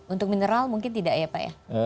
untuk mineral mungkin tidak ya pak ya